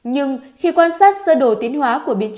nhưng khi quan sát sơ đồ tiến hóa